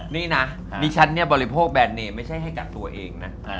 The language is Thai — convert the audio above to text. นี่นะดิฉันเนี่ยบริโภคแบรนเนมไม่ใช่ให้กับตัวเองนะ